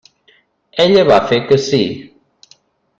Ella va fer que sí.